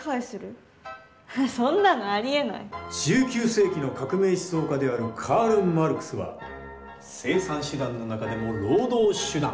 １９世紀の革命思想家であるカール・マルクスは生産手段の中でも労働手段